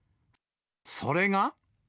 それが。